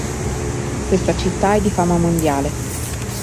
Questa città è di fama mondiale.